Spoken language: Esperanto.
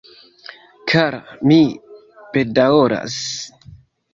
Kara, mi bedaŭras...